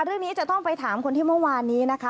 เรื่องนี้จะต้องไปถามคนที่เมื่อวานนี้นะคะ